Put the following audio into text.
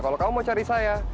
kalau kamu mau cari saya